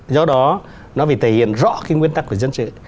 do đó nó phải thể hiện rõ cái nguyên tắc của dân sự